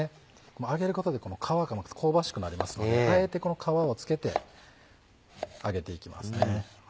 もう揚げることでこの皮がまた香ばしくなりますのであえてこの皮を付けて揚げていきますね。